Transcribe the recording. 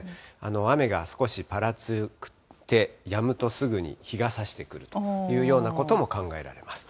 雨が少しぱらついて、やむとすぐに日がさしてくるというようなことも考えられます。